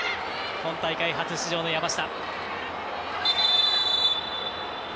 今大会初出場の山下。